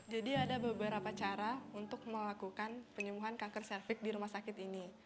jadi ada beberapa cara untuk melakukan penyembuhan kanker cervix di rumah sakit ini